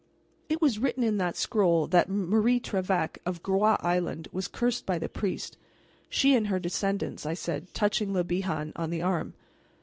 "It was written in that scroll that Marie Trevec, of Groix Island, was cursed by the priest she and her descendants," I said, touching Le Bihan on the arm.